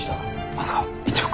まさか１億？